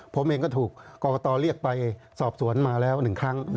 ผมเองก็ถูกกรกตเรียกไปสอบสวนมาแล้ว๑ครั้ง